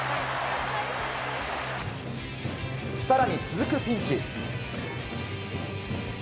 更に続くピンチ。